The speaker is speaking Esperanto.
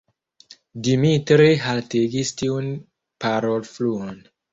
Dimitri haltigis tiun parolfluon.